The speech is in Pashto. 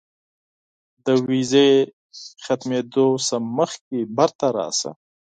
د ویزې ختمېدو نه مخکې بیرته راشه.